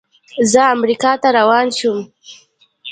زه امریکا ته روان شوم.